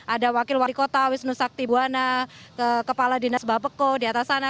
ada wakil wali kota wisnu sakti buwana kepala dinas bapeko di atas sana